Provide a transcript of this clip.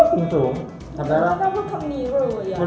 มันก็พูดคำนี้เลยอะ